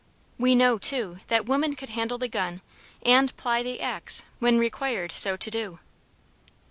We know too that woman could handle the gun and ply the axe when required so to do.